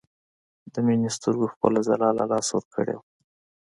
د مينې سترګو خپله ځلا له لاسه ورکړې وه